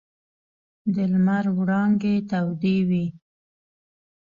د لمر وړانګې تودې وې.